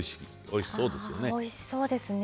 おいしそうですね。